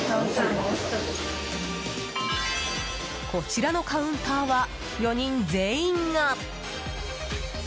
こちらのカウンターは４人全員が。